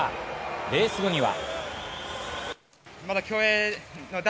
レース後には。